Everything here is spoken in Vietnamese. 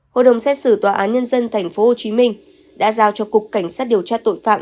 hội đồng xét xử tòa án nhân dân tp hcm đã giao cho cục cảnh sát điều tra tội phạm